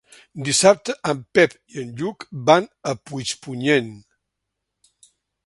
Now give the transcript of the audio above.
Dissabte en Pep i en Lluc van a Puigpunyent.